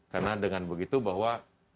karena dengan begitu bahwa